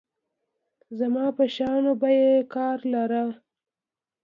زما په شيانو به يې کار لاره.